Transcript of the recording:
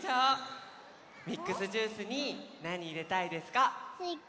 ミックスジュースになにいれたいですか？